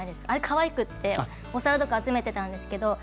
あれ、かわいくってお皿とか集めてたんですけど